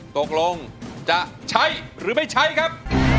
ตกลงจะใช้หรือไม่ใช้ครับ